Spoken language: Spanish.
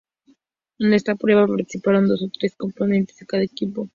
En esta prueba participan dos de los tres componentes de cada equipo.